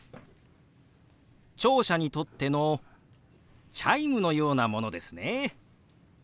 聴者にとってのチャイムのようなものですね。